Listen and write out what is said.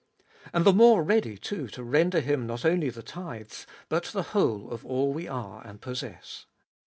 And the more ready, too, to render Him not only the tithes, but the whole of all we are and possess.